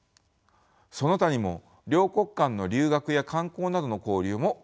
その他にも両国間の留学や観光などの交流も活発です。